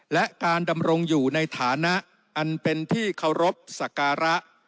และการดำรงอยู่ในฐานะอันเป็นที่เคารพสักการะ